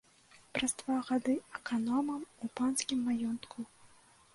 Праз два гады аканомам у панскім маёнтку.